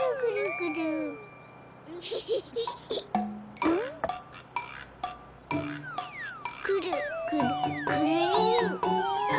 くるくるくるりん。